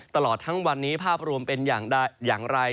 ตลอดทั้งวันนี้ภาพรวมเป็นอย่างไร